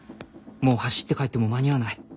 もう走って帰っても間に合わない